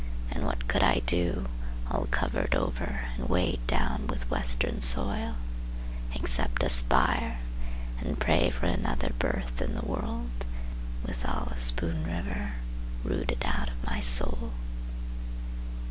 And what could I do, all covered over And weighted down with western soil Except aspire, and pray for another Birth in the world, with all of Spoon River Rooted out of my soul?